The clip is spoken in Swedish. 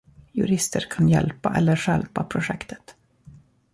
Jurister kan hjälpa eller stjälpa projektet